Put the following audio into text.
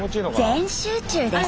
全集中です。